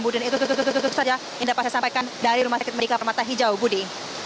itu tentu saja yang dapat saya sampaikan dari rumah sakit medika permata hijau budi